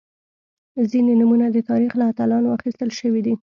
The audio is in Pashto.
• ځینې نومونه د تاریخ له اتلانو اخیستل شوي دي.